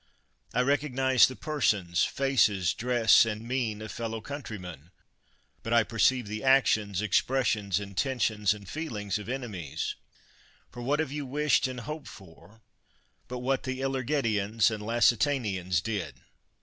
I recognize the persons, faces, dress, and mien of fellow countrymen but I i)erceive the actions, expressions, intentions, and feelings of enemies; for what have you wished and hoped for but what the Ilergetians and Lacetanians did.